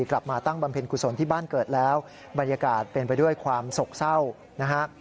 กลับมาตั้งบำเพ็ญกุศลที่บ้านเกิดแล้วบรรยากาศเป็นไปด้วยความโศกเศร้านะฮะ